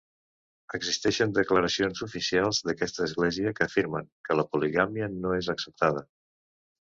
Existeixen declaracions oficials d'aquesta església que afirmen que la poligàmia no és acceptada.